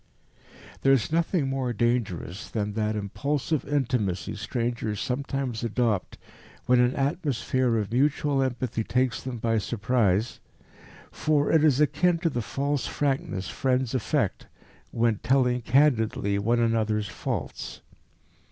There is nothing more dangerous than that impulsive intimacy strangers sometimes adopt when an atmosphere of mutual sympathy takes them by surprise, for it is akin to the false frankness friends affect when telling "candidly" one another's faults.